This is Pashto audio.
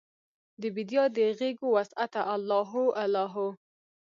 دبیدیا د غیږوسعته الله هو، الله هو